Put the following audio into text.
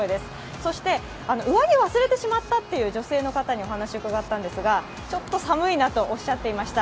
そして上着を忘れてしまったという女性の方にお話を伺ったんですがちょっと寒いなとおっしゃっていました。